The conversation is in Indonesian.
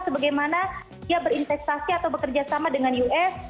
sebagai mana dia berinvestasi atau bekerja sama dengan us